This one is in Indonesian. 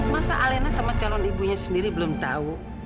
masa alena sama calon ibunya sendiri belum tahu